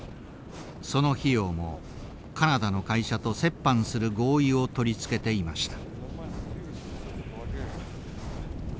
その費用もカナダの会社と折半する合意を取り付けていました。